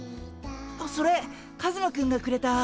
あっそれカズマくんがくれた。